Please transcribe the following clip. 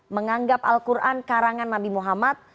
menganggap al quran karangan nabi muhammad